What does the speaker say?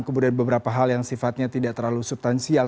kemudian beberapa hal yang sifatnya tidak terlalu subtansial